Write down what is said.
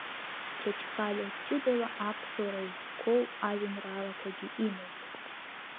Чачхалиа ҷыдала аԥсуара иазкқәоу ажәеинраалақәагьы имоуп.